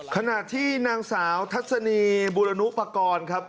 ขณะที่นางสาวทัศนีบุรณุปกรณ์ครับ